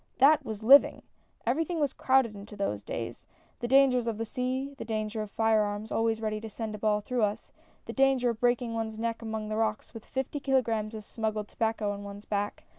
" That was living I Everything was crowded into those days ! The dangers of the sea — the danger of fire arms always ready to send a ball through us — the danger of breaking one's neck among the rocks with fifty kilograms of smuggled tobacco on one's back.